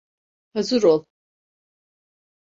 Hazır ol.